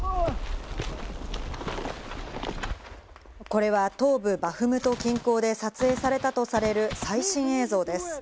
これは東部バフムト近郊で撮影されたとされる、最新映像です。